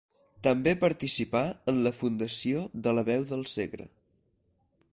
També participà en la fundació de La Veu del Segre.